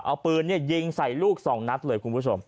เอาปืนยิงใส่ลูก๒นัทเลย